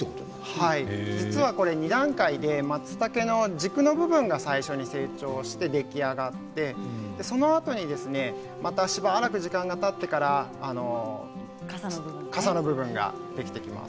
まつたけの軸の部分が成長して、出来上がってそのあとにまたしばらく時間がたってから傘の部分ができてきます。